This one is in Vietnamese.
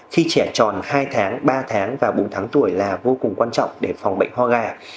khi trẻ tròn hai tháng ba tháng và bốn tháng tuổi là vô cùng quan trọng để phòng bệnh ho gà